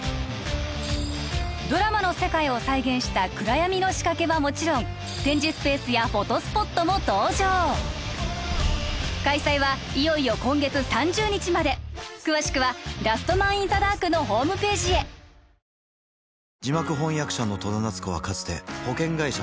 ドラマの世界を再現した暗闇の仕掛けはもちろん展示スペースやフォトスポットも登場開催はいよいよ今月３０日まで詳しくは「ラストマン・イン・ザ・ダーク」のホームページへハァ。